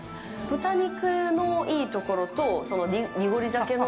豚肉のいいところとにごり酒の